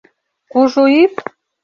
Кужу ӱп!